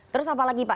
terus apa lagi pak